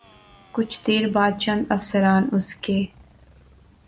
کچھ دیر بعد چند افسران اس کے